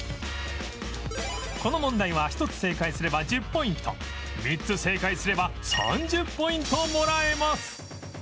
この問題は１つ正解すれば１０ポイント３つ正解すれば３０ポイントもらえます